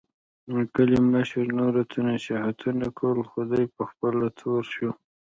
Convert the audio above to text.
د کلي مشر نورو ته نصیحتونه کول، خو دی په خپله تور شو.